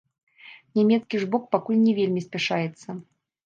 Нямецкі ж бок пакуль не вельмі спяшаецца.